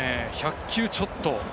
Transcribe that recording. １００球ちょっと。